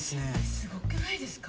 すごくないですか？